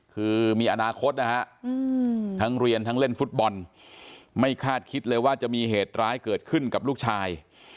คือมีอนาคตนะฮะทั้งเรียนทั้งเล่นฟุตบอลไม่คาดคิดเลยว่าจะมีเหตุร้ายเกิดขึ้นกับลูกชาย